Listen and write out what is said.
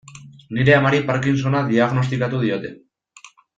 Nire amari Parkinsona diagnostikatu diote.